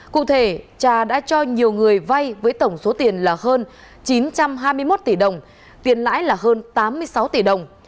cụ thể trà đã cho nhiều người vay với tổng số tiền là hơn chín trăm hai mươi một tỷ đồng tiền lãi là hơn tám mươi sáu tỷ đồng